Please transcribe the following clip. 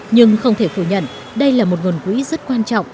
nhưng không thể phủ nhận đây là một nguồn quỹ rất quan trọng